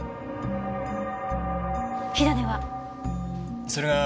火種は？